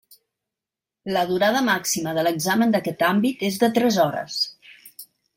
La durada màxima de l'examen d'aquest àmbit és de tres hores.